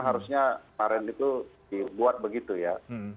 harusnya kemarin itu dibuat begitu ya